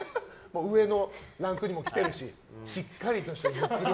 上のランクにも来てるししっかりとした実力を。